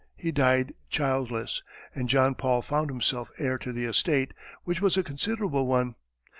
He died childless, and John Paul found himself heir to the estate, which was a considerable one.